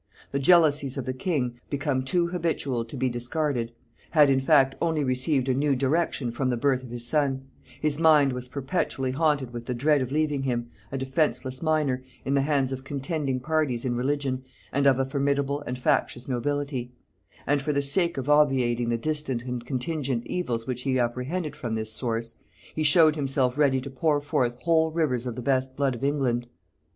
The jealousies of the king, become too habitual to be discarded, had in fact only received a new direction from the birth of his son: his mind was perpetually haunted with the dread of leaving him, a defenceless minor, in the hands of contending parties in religion, and of a formidable and factious nobility; and for the sake of obviating the distant and contingent evils which he apprehended from this source, he showed himself ready to pour forth whole rivers of the best blood of England.